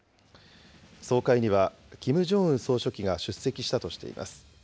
総会には、キム・ジョンウン総書記が出席したとしています。